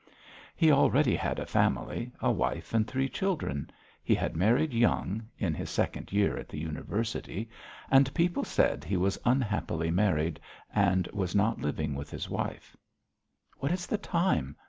He already had a family a wife and three children; he had married young, in his second year at the University, and people said he was unhappily married and was not living with his wife. "What is the time?"